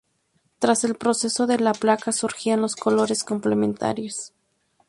Tras el procesado de la placa surgían los colores complementarios.